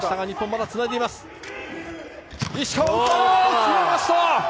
決めました！